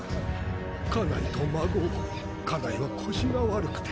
家内と孫を家内は腰が悪くて。